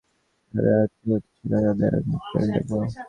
যারা এই আত্মাহুতি দিলো তাদের আমরা কী বলে ডাকবো?